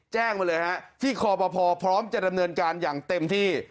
แจ้งมาเลยฮะที่คอปภพร้อมจะดำเนินการอย่างเต็มที่